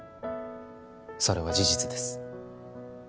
それは事実です